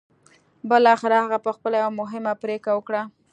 بالاخره هغه پخپله يوه مهمه پرېکړه وکړه.